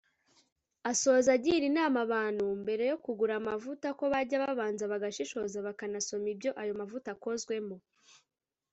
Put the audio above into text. Asoza agira inama abantu mbere yo kugura amavuta ko bajya babanza bagashishoza bakanasoma ibyo ayo mavuta akozwemo